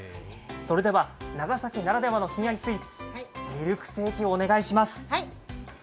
それでは、長崎ならではのひんやりスイーツミルクセーキをお願いします。